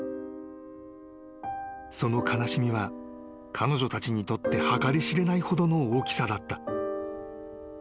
［その悲しみは彼女たちにとって計り知れないほどの大きさだった］